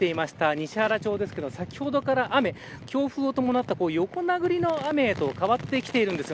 西原町ですけど先ほどから雨強風を伴った横殴りの雨へと変わってきているんです。